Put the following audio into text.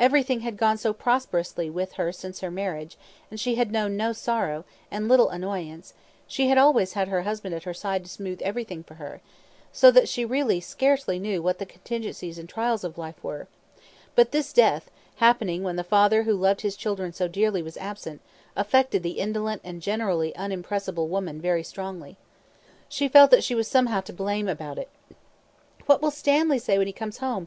Everything had gone so prosperously with her since her marriage; she had known no sorrow, and little annoyance; she had always had her husband at her side to smooth everything for her, so that she really scarcely knew what the contingencies and trials of life were; but this death, happening when the father who loved his children so dearly was absent, affected the indolent and generally unimpressible woman very strongly. She felt that she was somehow to blame about it. "What will Stanley say when he comes home?